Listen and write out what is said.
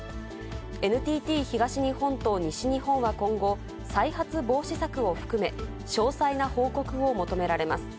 ＮＴＴ東日本と西日本は今後、再発防止策を含め、詳細な報告を求められます。